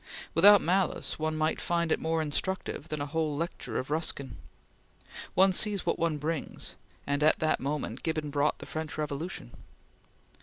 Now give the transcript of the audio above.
Without malice, one might find it more instructive than a whole lecture of Ruskin. One sees what one brings, and at that moment Gibbon brought the French Revolution.